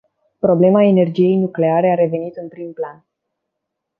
Problema energiei nucleare a revenit în prim plan.